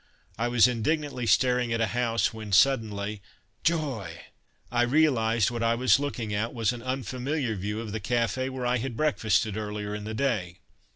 I was indignantly staring at a house when suddenly, joy! I realized that what I was looking at was an unfamiliar view of the café where I had breakfasted earlier in the day.